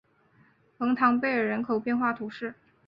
蒙唐贝尔人口变化图示